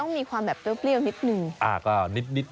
ต้องมีความแบบเปรี้ยวนิดหนึ่ง